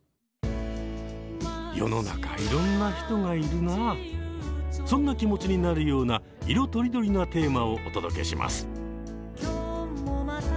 世の中そんな気持ちになるような色とりどりなテーマをお届けします。